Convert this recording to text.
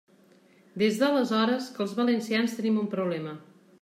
Des d'aleshores que els valencians tenim un problema.